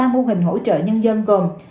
ba mô hình hỗ trợ nhân dân gồm